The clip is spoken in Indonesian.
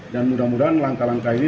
dan mudah mudahan langkah langkah ini